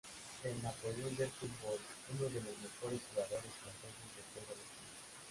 El "Napoleón del Fútbol", uno de los mejores jugadores franceses de todos los tiempos.